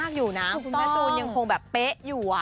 คือคุณแม่จูนยังคงแบบเป๊ะอยู่